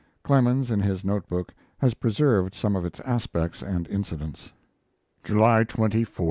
Clemens, in his note book, has preserved some of its aspects and incidents. July 24, 1904.